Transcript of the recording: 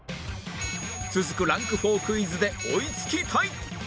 続くランク４クイズで追いつきたい！